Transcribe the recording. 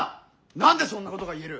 何でそんなことが言える。